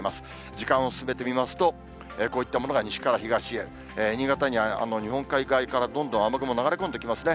時間を進めてみますと、こういったものが西から東へ、新潟には、日本海側からどんどん雨雲流れ込んできますね。